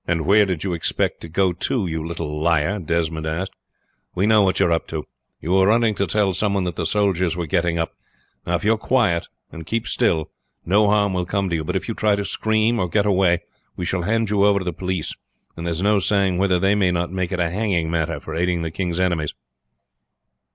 "Where do you expect to go to, you little liar?" Desmond asked. "We know what you are up to. You were running to tell some one that the soldiers were getting up. Now, if you are quiet and keep still no harm will come to you; but if you try to scream or to get away we shall hand you over to the police, and there's no saying whether they may not make it a hanging matter for aiding the king's enemies."